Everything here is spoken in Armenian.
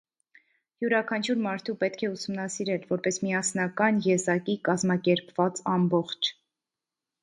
Յուրաքանչյուր մարդու պետք է ուսումնասիրել՝ որպես միասնական, եզակի, կազմակերպված ամբողջ։